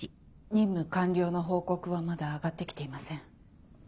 任務完了の報告はまだ上がって来ていません。